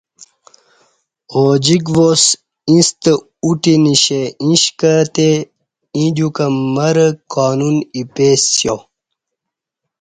اوجِک واس اِیݩستہ اُتی نشیں اِیݩش کہ تی ییں دیوکہ مرہ قانون اپئیسیہ